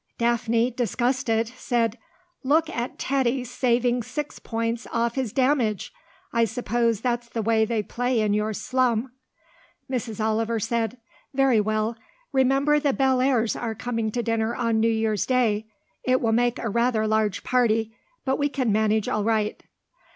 Daphne, disgusted, said, "Look at Teddy saving six points off his damage! I suppose that's the way they play in your slum." Mrs. Oliver said, "Very well. Remember the Bellairs' are coming to dinner on New Year's Day. It will make rather a large party, but we can manage all right."